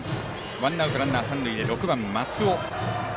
ワンアウトランナー、三塁で６番の松尾。